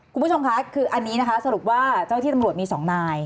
คุณผู้ชมคะคืออันนี้นะคะสรุปว่าเจ้าที่ตำรวจมี๒นาย